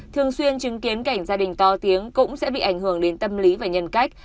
thường xuyên chứng kiến cảnh gia đình to tiếng cũng sẽ bị ảnh hưởng đến tâm lý và nhân cách